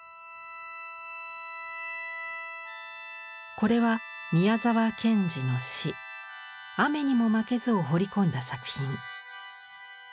これは宮沢賢治の詩「雨ニモマケズ」を彫り込んだ作品。